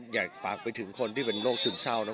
อยากฝากไปถึงคนที่เป็นโรคซึมเศร้านะ